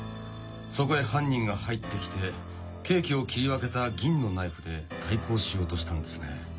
そこへ犯人が入ってきてケーキを切り分けた銀のナイフで対抗しようとしたんですね。